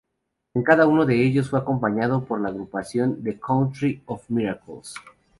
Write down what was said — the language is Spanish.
En cada uno de ellos fue acompañado por la agrupación The Country of Miracles.